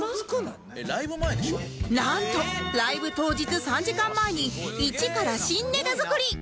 なんとライブ当日３時間前に一から新ネタ作り！